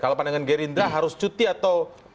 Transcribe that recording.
kalau pandangan gerindra harus cuti atau